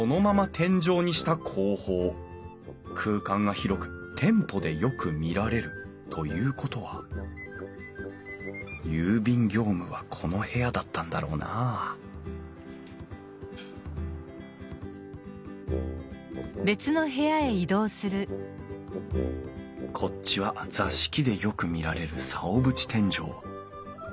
空間が広く店舗でよく見られる。ということは郵便業務はこの部屋だったんだろうなあこっちは座敷でよく見られる竿縁天井。